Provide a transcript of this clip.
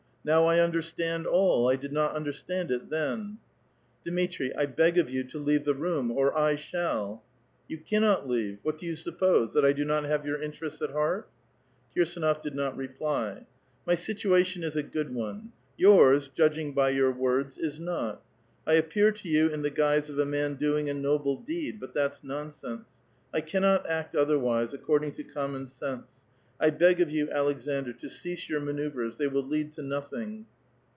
Now I understand all. I did ^^^ undei stand it tben." *"^ Dmitri, I beg of you to leave the room, or I shall." *"^ You cannot leave. What do you suppose, — that I do ^^^ have your interests at heart ?" ^^^irsAnof did not reply. ^ ^My situation is a good one. Yours, judging by your ^^^^^ds, is not. I appear to you in the guise of a man doing * ^^^3ble deed. But that's nonsense. 1 cannot act otherwise, ^^^rding to common sense. I beg of you, Aleksandr, to ^^^ «e your manoeuvres ; they will lead to nothing."